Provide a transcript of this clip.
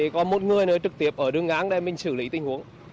còn một người nữa trực tiếp ở đường ngang để mình xử lý tình huống